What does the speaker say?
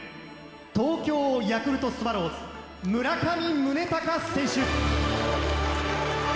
東京ヤクルトスワローズ村上宗隆選手。